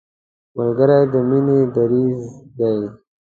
ملګری د مینې دریځ دی